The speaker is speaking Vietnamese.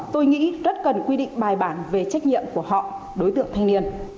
tôi nghĩ rất cần quy định bài bản về trách nhiệm của họ đối tượng thanh niên